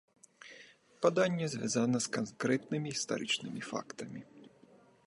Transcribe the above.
Паданне звязана з канкрэтнымі гістарычнымі фактамі.